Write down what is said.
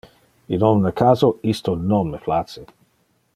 In omne caso, isto non me place.